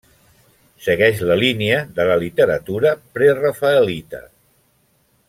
Segueix la línia de la literatura prerafaelita.